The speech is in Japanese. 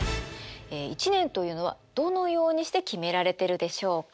１年というのはどのようにして決められてるでしょうか？